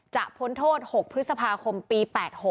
พ้นโทษ๖พฤษภาคมปี๘๖